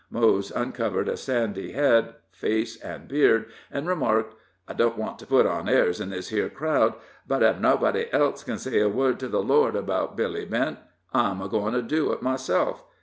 Mose uncovered a sandy head, face and beard, and remarked: "I don't want to put on airs in this here crowd, but ef nobody else ken say a word to the Lord about Billy Bent, I'm a goin' to do it myself.